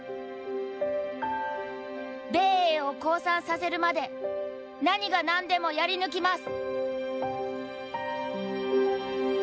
「米英を降参させるまで何がなんでもやり抜きます」。